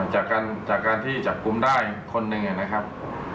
จากการที่จับกลุ่มได้คนหนึ่งนะครับ